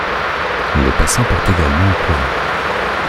Les passants partent également en courant.